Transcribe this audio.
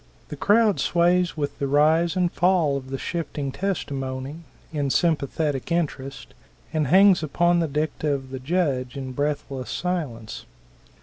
The crowd sways with the rise and fall of the shifting testimony, in sympathetic interest, and hangs upon the dicta of the judge in breathless silence.